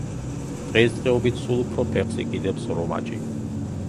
დღესდღეობით სულ უფრო ფეხს იკიდებს რომაჯი.